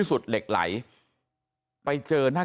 อืม